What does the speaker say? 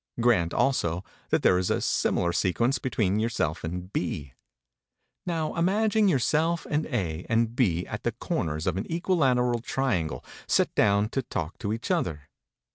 Grant also that there is a similar sequence between yourself and B. Now, imagine yourself and A and B at the corners of an equilateral triangle set down to talk to each other.